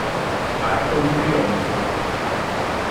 Arco di trionfo.